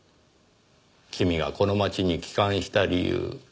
君がこの町に帰還した理由。